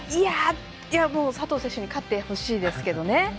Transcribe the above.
佐藤選手に勝ってほしいですけどね。